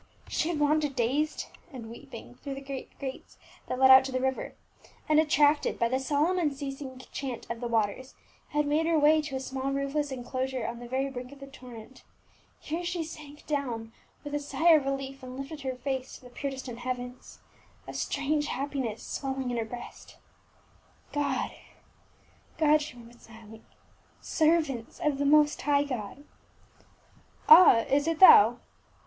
She had wandered dazed and weeping through IN nilLIPPL 82? the great gates that led out to the river, and attracted by the solemn unceasing chant of the waters had made her way to a small roofless enclosure on the very brink of the torrent, here she sank down with a sigh of relief and lifted her face to the pure distant heavens, a strange happiness swelling in her breast. " God — God !" she murmured smiling. " Servants of the most high God." "Ah, it is thou?"